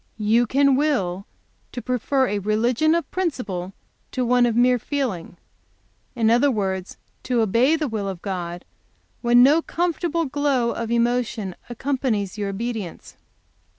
"You can will to prefer a religion of principle to one of mere feeling; in other, words, to obey the will of God when no comfortable glow of emotion accompanies your obedience.